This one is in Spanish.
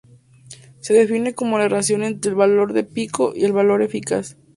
Se define como la relación entre el valor de pico y el valor eficaz.